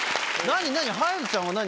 何？